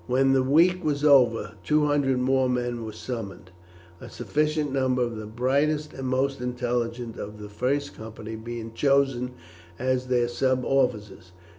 When the week was over two hundred more men were summoned, a sufficient number of the brightest and most intelligent of the first company being chosen as their sub officers.